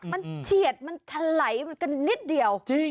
มันเฉียดมันทะไหลไปกันนิดเดียว